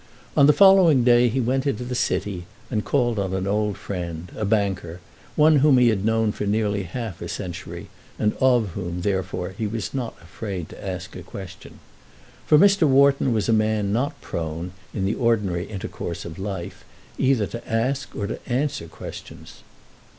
On the following day he went into the city, and called on an old friend, a banker, one whom he had known for nearly half a century, and of whom, therefore, he was not afraid to ask a question. For Mr. Wharton was a man not prone, in the ordinary intercourse of life, either to ask or to answer questions.